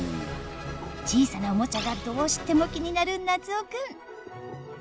小さなおもちゃがどうしても気になるなつおくん。